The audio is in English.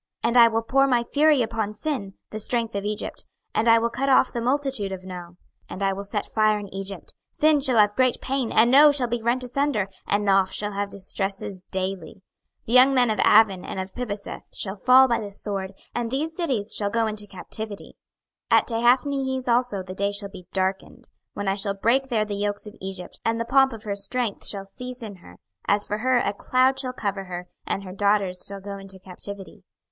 26:030:015 And I will pour my fury upon Sin, the strength of Egypt; and I will cut off the multitude of No. 26:030:016 And I will set fire in Egypt: Sin shall have great pain, and No shall be rent asunder, and Noph shall have distresses daily. 26:030:017 The young men of Aven and of Pibeseth shall fall by the sword: and these cities shall go into captivity. 26:030:018 At Tehaphnehes also the day shall be darkened, when I shall break there the yokes of Egypt: and the pomp of her strength shall cease in her: as for her, a cloud shall cover her, and her daughters shall go into captivity.